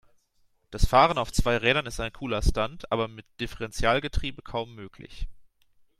Das Fahren auf zwei Rädern ist ein cooler Stunt, aber mit Differentialgetriebe kaum möglich.